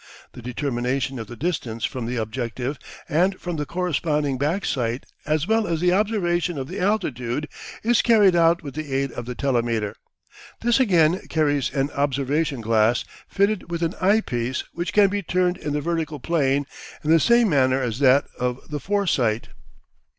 The determination of the distance from the objective and from the corresponding back sight as well as the observation of the altitude is carried out with the aid of the telemeter. This again carries an observation glass fitted with an eye piece which can be turned in the vertical plane in the same manner as that of the fore sight.